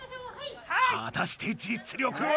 はたして実力は。